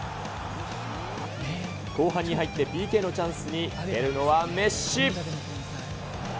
後半に入ってＰＫのチャンスに蹴るのはメッシ。